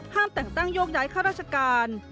ห้ามแต่งตั้งโยงย้ายค่าราชการ